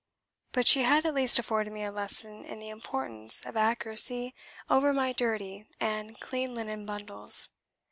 But she had at least afforded me a lesson in the importance of accuracy over my dirty and clean linen bundles.